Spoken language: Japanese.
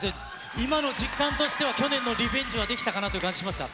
今の実感としては、去年のリベンジはできたかなという感じはしますか？